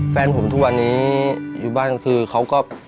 แฟนผมทุกวันนี้อยู่บ้านคือเขาก็